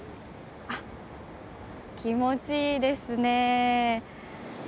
気持ちいいですね。